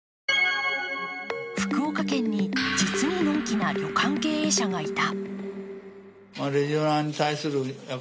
福岡県に実にのんきな旅館経営者がいた。